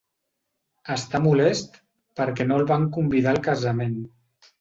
Està molest perquè no el van convidar al casament.